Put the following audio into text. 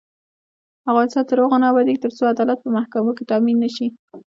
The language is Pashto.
افغانستان تر هغو نه ابادیږي، ترڅو عدالت په محکمو کې تامین نشي.